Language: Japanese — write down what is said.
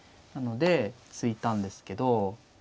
なので突いたんですけど。